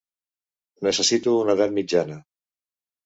Necessito una edat mitjana.